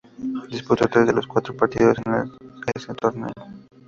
Disputó tres de los cuatro partidos en ese torneo.